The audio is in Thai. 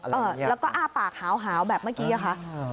แล้วก็อ้าปากหาวแบบเมื่อกี้ค่ะ